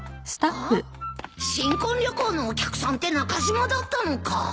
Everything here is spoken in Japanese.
新婚旅行のお客さんって中島だったのか